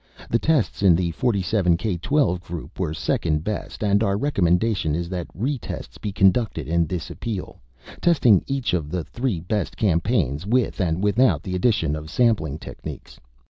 The tests in the 47 K12 group were second best and our recommendation is that retests be conducted in this appeal, testing each of the three best campaigns with and without the addition of sampling techniques.